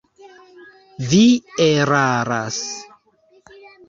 Vi eraras.